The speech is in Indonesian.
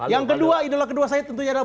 yang kedua idola kedua saya tentunya adalah